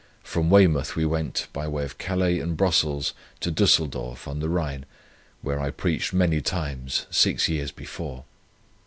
From Weymouth we went, by way of Calais and Brussels, to Düsseldorf on the Rhine, where I preached many times six years before.